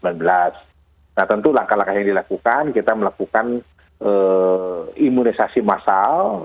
nah tentu langkah langkah yang dilakukan kita melakukan imunisasi massal